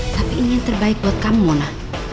tapi ini yang terbaik buat kamu mona